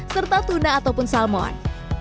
serta tuna ataupun salmon